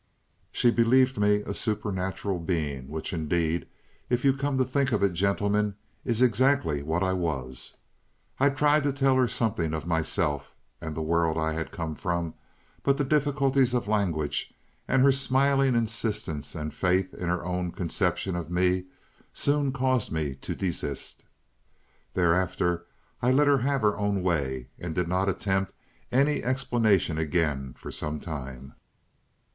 "She believed me a supernatural being, which, indeed, if you come to think of it, gentlemen, is exactly what I was. I tried to tell her something of myself and the world I had come from, but the difficulties of language and her smiling insistence and faith in her own conception of me, soon caused me to desist. Thereafter I let her have her own way, and did not attempt any explanation again for some time.